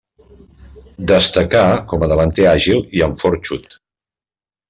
Destacà com a davanter àgil i amb fort xut.